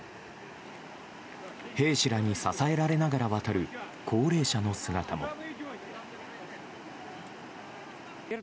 兵士らに支えられながら渡る高齢者の姿も。